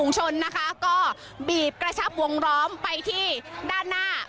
ของเจ้าหน้าที่ตำรวจควบคุมฝุงชนนะคะก็บีบกระชับวงร้อมไปที่ด้านหน้า